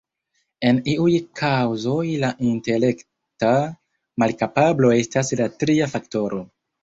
En iuj kaŭzoj la intelekta malkapablo estas la tria faktoro.